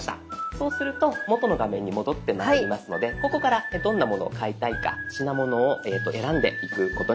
そうすると元の画面に戻ってまいりますのでここからどんなものを買いたいか品物を選んでいくことになります。